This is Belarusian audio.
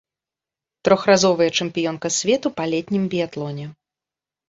Трохразовая чэмпіёнка свету па летнім біятлоне.